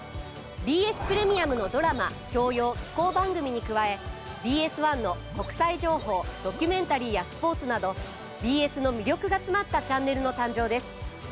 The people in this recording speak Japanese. ＢＳプレミアムのドラマ教養紀行番組に加えＢＳ１の国際情報ドキュメンタリーやスポーツなどＢＳの魅力が詰まったチャンネルの誕生です。